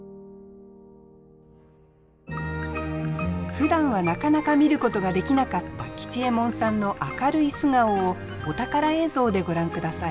ふだんはなかなか見ることができなかった吉右衛門さんの明るい素顔をお宝映像でご覧ください。